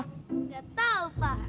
enggak tahu pak